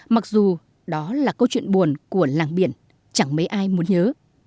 mặc dù đó là câu chuyện buồn của làng biển chẳng mấy ai muốn nhớ